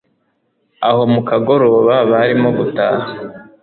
aho mukagoroba barimo gutaha